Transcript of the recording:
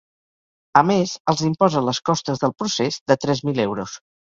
A més, els imposa les costes del procés, de tres mil euros.